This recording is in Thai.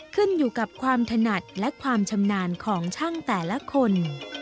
ขึ้นอยู่กับความถนัดและความชำนาญของช่างแต่ละคน